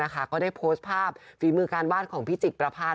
ก็ได้โพสต์ภาพฝีมือการวาดของพี่จิกประพาท